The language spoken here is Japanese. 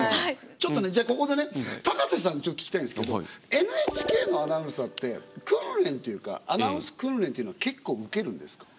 ちょっとねじゃあここでね高瀬さんにちょっと聞きたいんですけどもＮＨＫのアナウンサーって訓練っていうかアナウンス訓練っていうのは結構受けるんですか？